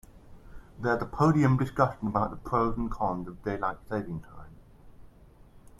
There's a podium discussion about the pros and cons of daylight saving time.